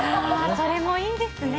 それもいいですね。